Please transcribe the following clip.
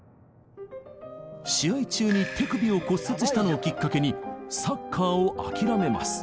試合中に手首を骨折したのをきっかけにサッカーを諦めます。